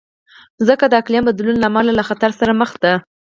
مځکه د اقلیم بدلون له امله له خطر سره مخ ده.